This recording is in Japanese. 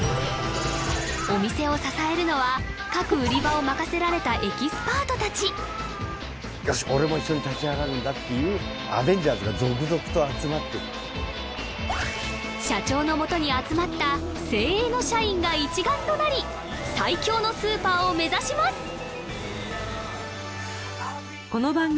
お店を支えるのは各売り場を任せられたエキスパート達社長のもとに集まった精鋭の社員が一丸となり最強のスーパーを目指します！